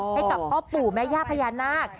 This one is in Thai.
ให้กับพ่อปู่แม่ย่าพญานาค